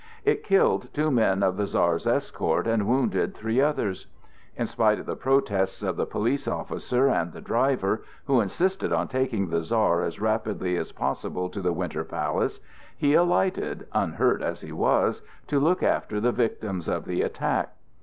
It killed two men of the Czar's escort and wounded three others. In spite of the protests of the police officer and the driver, who insisted on taking the Czar as rapidly as possible to the Winter Palace, he alighted, unhurt as he was, to look after the victims of the attack.